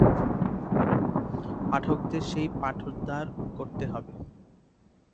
পাঠকদের সেই পাঠোদ্ধার করতে হবে।